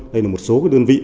đây là một số đơn vị